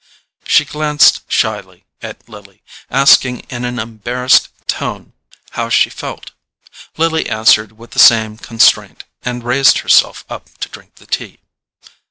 She glanced shyly at Lily, asking in an embarrassed tone how she felt; Lily answered with the same constraint, and raised herself up to drink the tea.